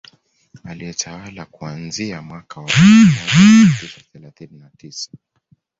Aliyetawala kuanzia mwaka wa elfu moja mia tisa thelathini na tisa